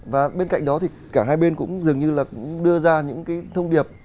và bên cạnh đó thì cả hai bên cũng dường như là đưa ra những thông điệp